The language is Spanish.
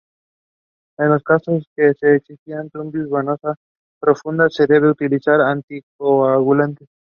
En los casos en que exista trombosis venosa profunda, se deben utilizar anticoagulantes.